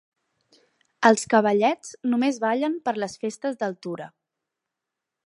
Els Cavallets només ballen per les Festes del Tura.